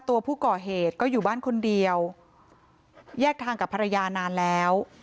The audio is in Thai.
ตัวผู้ก่อเหตุก็อยู่บ้านคนเดียวแยกทางกับภรรยานานแล้ว